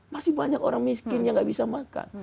masih banyak orang miskin yang gak bisa makan